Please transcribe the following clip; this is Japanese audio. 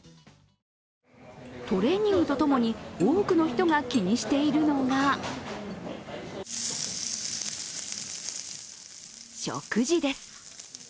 トレーニングとともに多くの人が気にしているのが食事です。